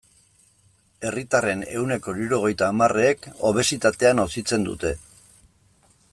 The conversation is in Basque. Herritarren ehuneko hirurogeita hamarrek obesitatea nozitzen dute.